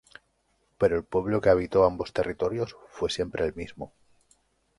Pero el pueblo que habitó ambos territorios fue siempre el mismo.